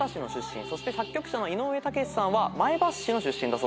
そして作曲者の井上武士さんは前橋市の出身だそうです。